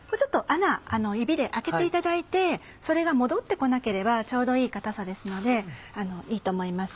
穴指で開けていただいてそれが戻って来なければちょうどいい硬さですのでいいと思います。